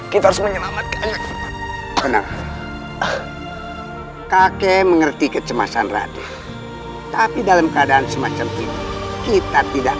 kita harus menyelamatkan kake mengerti kecemasan raden tapi dalam keadaan semacam ini kita tidak